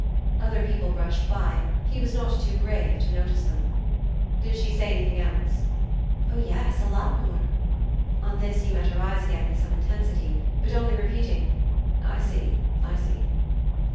Other people brushed by; he was not too grave to notice them. "Did she say anything else?" "Oh yes, a lot more." On this he met her eyes again with some intensity, but only repeating: "I see I see."